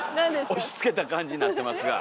押しつけた感じになってますが。